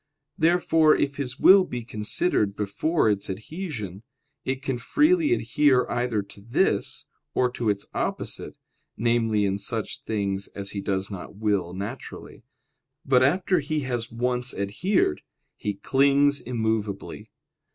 Therefore, if his will be considered before its adhesion, it can freely adhere either to this or to its opposite (namely, in such things as he does not will naturally); but after he has once adhered, he clings immovably.